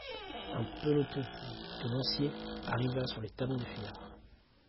Un peloton de lanciers arriva sur les talons des fuyards.